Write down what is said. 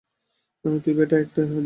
তুই ব্যাটা একটা জিনিসই।